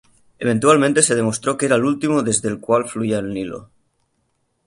Eventualmente se demostró que era el último desde el cual fluía el Nilo.